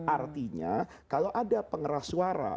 artinya kalau ada pengeras suara